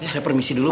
saya permisi dulu pak